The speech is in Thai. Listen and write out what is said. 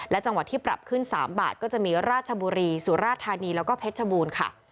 และจังหวัดที่ปรับขึ้น๓บาทก็จะมีราชบุรีสุราธานีแล้วก็เพชรบูรณ์ค่ะ